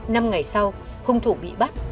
năm ngày sau hung thủ bị bắt